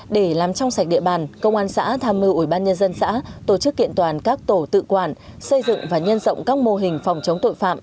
để làm trong sạch địa bàn công an xã tham mưu ủy ban nhân dân xã tổ chức kiện toàn các tổ tự quản xây dựng và nhân rộng các mô hình phòng chống tội phạm